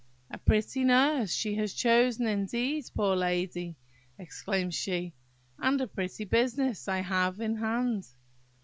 "A pretty nurse she has chosen, indeed, poor lady!" exclaimed she, "and a pretty business I have in hand!